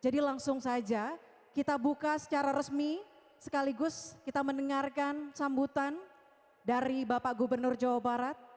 jadi langsung saja kita buka secara resmi sekaligus kita mendengarkan sambutan dari bapak gubernur jawa barat